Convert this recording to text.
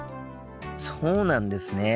そうなんですね。